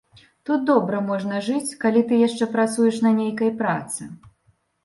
Тут добра можна жыць, калі ты яшчэ працуеш на нейкай працы.